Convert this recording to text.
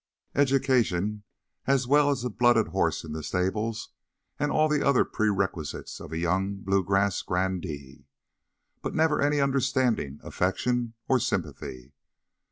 Education, as well as a blooded horse in the stables, and all the other prerequisites of a young blue grass grandee. But never any understanding, affection, or sympathy.